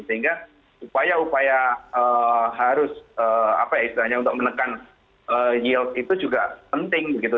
sehingga upaya upaya harus apa ya istilahnya untuk menekan yield itu juga penting begitu